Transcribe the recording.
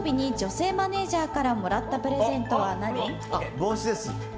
帽子です。